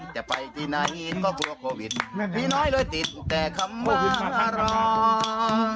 จะไปที่ไหนก็กลัวโควิดมีน้อยเลยติดแต่คำว่าวิชาคารา